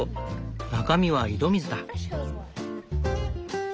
中身は井戸水だ。